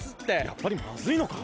やっぱりまずいのか。